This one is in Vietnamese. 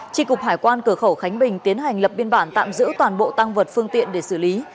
tri cục hải quan cửa khẩu khánh bình tiến hành lập biên bản tạm giữ toàn bộ tăng vật phương tiện để xử lý